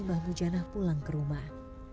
mbah mujana pulang ke rumah